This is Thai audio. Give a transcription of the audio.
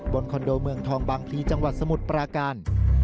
คอนโดเมืองทองบางพลีจังหวัดสมุทรปราการ